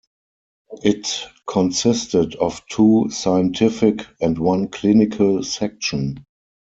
It consisted of two scientific and one clinical section.